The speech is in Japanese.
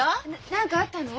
な何かあったの？